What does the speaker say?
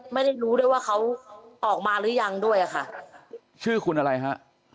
ไม่ได้รู้ด้วยว่าเขาออกมาหรือยังด้วยอ่ะค่ะชื่อคุณอะไรฮะ